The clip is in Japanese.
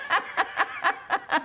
ハハハハ！